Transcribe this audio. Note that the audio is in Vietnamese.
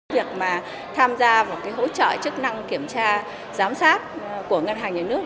việc mà tham gia vào cái hỗ trợ chức năng kiểm tra giám sát của ngân hàng nhà nước